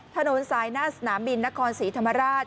ถนนสายหน้าสนามบินนครศรีธรรมราช